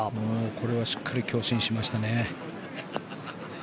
これはしっかり強振しましたね。